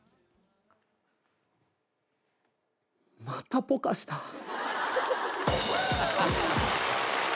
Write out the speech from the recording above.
またポカした。